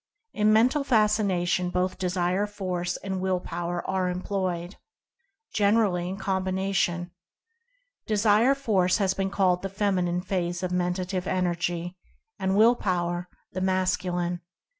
In Mental Fascination both Desire Force, What is " Mental Fascination "? n and Will Power are employed — generally in combina tion. Desire Force has been called the Feminine phase of Mentative Energy ; and Will Power the Mas culine.